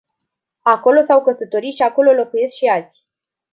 Acolo s-au căsătorit și acolo locuiesc și azi.